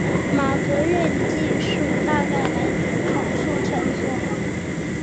马格瑞的记述大概来自口述传说。